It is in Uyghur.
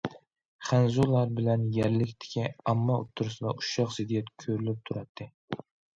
خەنزۇلار بىلەن يەرلىكتىكى ئامما ئوتتۇرىسىدا ئۇششاق زىددىيەت كۆرۈلۈپ تۇراتتى.